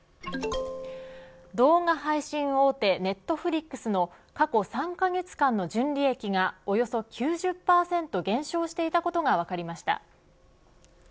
動画配信大手ネットフリックスの過去３カ月間の純利益がおよそ９０％減少していたことが分かりました。